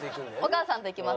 お母さんと行きます。